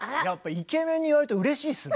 イケメンに言われるとうれしいですね。